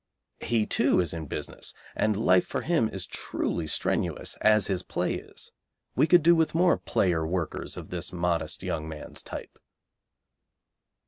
He, too, is in business, and life for him is truly strenuous, as his play is. We could do with more player workers of this modest young man's type.